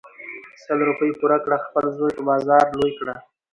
سل روپی پور کړه خپل زوی په بازار لوی کړه .